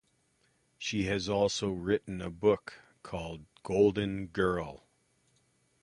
She has also written a book called "Golden Girl".